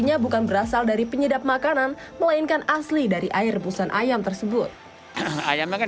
nya bukan berasal dari penyedap makanan melainkan asli dari air rebusan ayam tersebut ayamnya kan